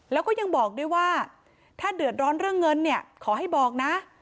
แล้วก็ยังบอกด้วยว่าถ้าเดือดร้อนเรื่องเงินเนี่ยขอให้บอกนะ